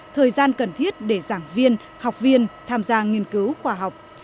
thời gian cần thiết để giảng viên học viên tham gia nghiên cứu khoa học